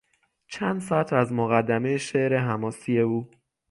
چند سطر از مقدمهی شعر حماسی او